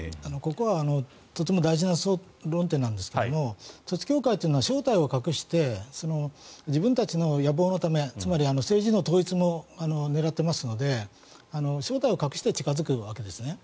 ここはとても大事な論点なんですが統一教会は正体を隠して自分たちの野望のためつまり政治の統一も狙っていますので正体を隠して近付くわけですよね。